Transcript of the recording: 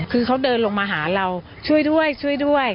คือเขาเดินลงมาหาเราช่วยด้วยช่วยด้วย